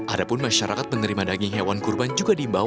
adapun masyarakat menerima daging hewan kurban juga dibawa